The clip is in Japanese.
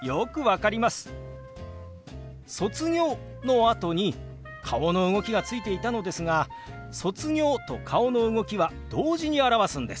「卒業」のあとに顔の動きがついていたのですが「卒業」と顔の動きは同時に表すんです。